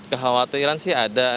kekhawatiran sih ada